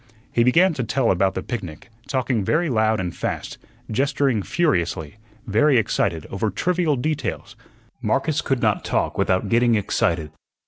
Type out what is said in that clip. He began to tell about the picnic, talking very loud and fast, gesturing furiously, very excited over trivial details. Marcus could not talk without getting excited.